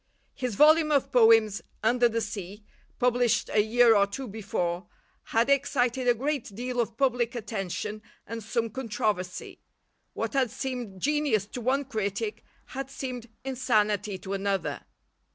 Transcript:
His volume of poems, Under the Sea, published a year or two before, had excited a great deal of public attention and some controversy; what had seemed genius to one critic had seemed insanity to another.